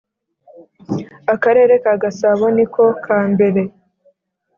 Akarere ka gasabo niko kambere